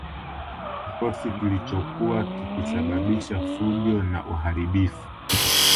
Kikosi kilichokuwa kikisababisha fujo na uharibifu